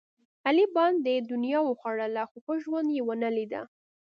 علي باندې دنیا وخوړله، خو ښه ژوند یې ونه لیدا.